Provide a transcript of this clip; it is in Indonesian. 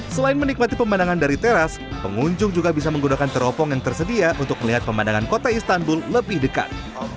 selain menikmati pemandangan dari teras pengunjung juga bisa menggunakan teropong yang tersedia untuk melihat pemandangan kota istanbul lebih dekat